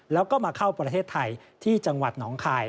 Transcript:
แล้วก็มาเข้าประเทศไทยที่จังหวัดหนองคาย